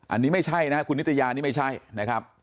อันนี้ไม่ใช่นะครับคุณนิตยานี่ไม่ใช่นะครับ